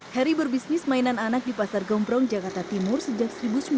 heri berbisnis mainan anak di pasar gomprong jakarta timur sejak seribu sembilan ratus sembilan puluh